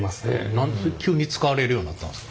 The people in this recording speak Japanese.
何で急に使われるようになったんですか？